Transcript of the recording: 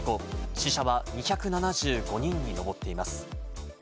死者は２７５人に上っています。